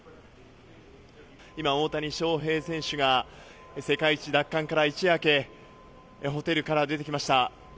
今、大谷翔平選手が、世界一奪還から一夜明け、ホテルから出てきました。